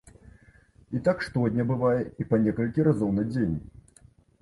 І так штодня, бывае, і па некалькі разоў на дзень.